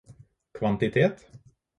kvantitet